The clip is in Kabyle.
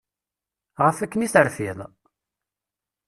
Ɣef akken i terfiḍ?